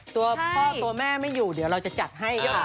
ตัวพ่อตัวแม่ไม่อยู่เดี๋ยวเราจะจัดให้หรือเปล่า